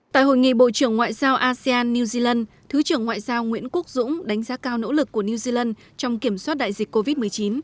tại hội nghị bộ trưởng ngoại giao asean new zealand thứ trưởng ngoại giao nguyễn quốc dũng đánh giá cao nỗ lực của new zealand trong kiểm soát đại dịch covid một mươi chín